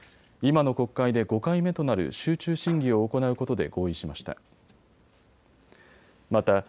今の国会で５回目となる集中審議を行うことで合意しました。